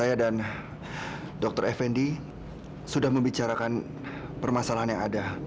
ami semua ke sini